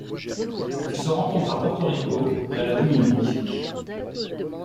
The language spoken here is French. Elles se rencontrent à Porto Rico et à la Dominique.